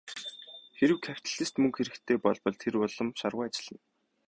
Хэрэв капиталистад мөнгө хэрэгтэй болбол тэр улам шаргуу ажиллана.